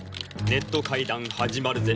ネット会談始まるぜ！